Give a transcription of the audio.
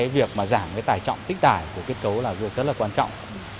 việc giảm tải trọng tích tải của kết cấu là việc rất quan trọng